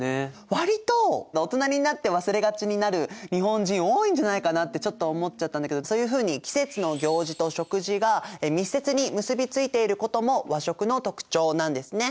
割と大人になって忘れがちになる日本人多いんじゃないかなってちょっと思っちゃったんだけどそういうふうに季節の行事と食事が密接に結びついていることも和食の特徴なんですね。